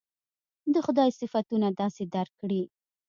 د خدای صفتونه داسې درک کړي.